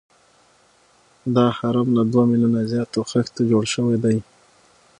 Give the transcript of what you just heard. دا هرم له دوه میلیونه زیاتو خښتو جوړ شوی دی.